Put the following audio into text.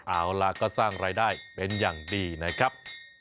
เอาล่ะก็สร้างรายได้เป็นอย่างดีนะครับ